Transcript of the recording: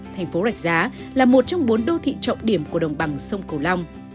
thành phố rạch giá là một trong bốn đô thị trọng điểm của đồng bằng sông cửu long